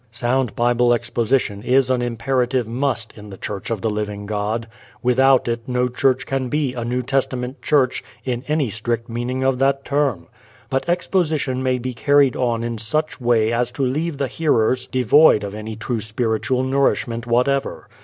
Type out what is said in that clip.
Sound Bible exposition is an imperative must in the Church of the Living God. Without it no church can be a New Testament church in any strict meaning of that term. But exposition may be carried on in such way as to leave the hearers devoid of any true spiritual nourishment whatever.